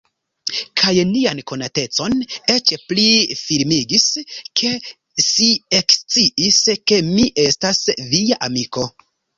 Kaj nian konatecon eĉ pli firmigis, ke si eksciis, ke mi estas Via amiko!